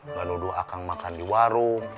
nggak nuduh akang makan di warung